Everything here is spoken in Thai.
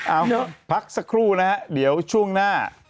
เอาพักสักครู่นะฮะเดี๋ยวช่วงหน้า